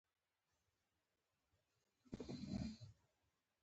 په افغانستان کې د کلیزو منظره د خلکو د اعتقاداتو سره تړاو لري.